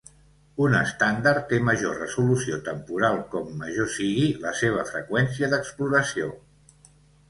Un estàndard té major resolució temporal com major sigui la seva freqüència d'exploració.